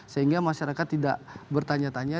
sehingga masyarakat tidak bertanya tanya